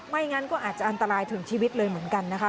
งั้นก็อาจจะอันตรายถึงชีวิตเลยเหมือนกันนะคะ